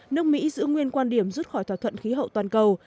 nước mỹ giữ nguyên quan điểm rút khỏi thỏa thuận khí hậu toàn cầu